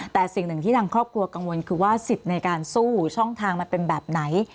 แต่สิ่งหนึ่งที่ทางครอบครัวกังวลคือว่าสิทธิ์ในการสู้ช่องทางมันเป็นแบบไหน